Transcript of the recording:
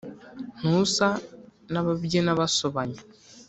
Ntusa nababyina basobanya